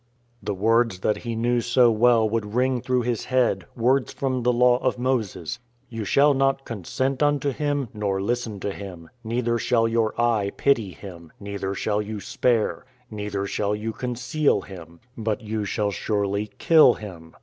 The words that he knew so well would ring through his head — words from the Law of Moses. " You shall not consent unto him, Nor listen to him ; Neither shall your eye pity him, Neither shall you spare. Neither shall you conceal him : But you shall surely kill him